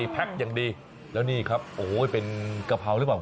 แพ็คอย่างดีแล้วนี่ครับโอ้โหเป็นกะเพราหรือเปล่า